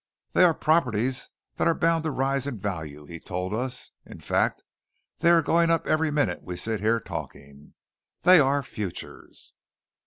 "They are properties that are bound to rise in value," he told us. "In fact, they are going up every minute we sit here talking. They are futures."